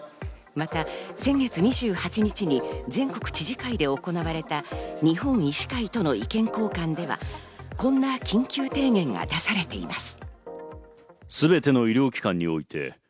また先月２８日に全国知事会で行われた日本医師会との意見交換では、こんな緊急提言が出されています。